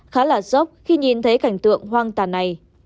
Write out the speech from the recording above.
khá là dốc khi nhìn thấy cảnh tượng hoang tàn này